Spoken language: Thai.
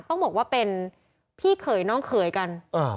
ต้องบอกว่าเป็นพี่เขยน้องเขยกัน